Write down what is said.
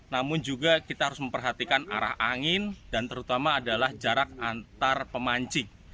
namun juga kita harus memperhatikan arah angin dan terutama adalah jarak antar pemancing